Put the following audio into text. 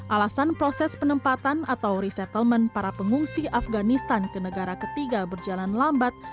alasan proses penempatan atau resettlement para pengungsi afganistan ke negara ketiga berjalan lambat